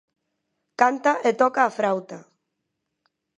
Canta e toca a frauta.